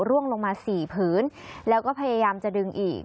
ร่วงลงมา๔ผืนแล้วก็พยายามจะดึงอีก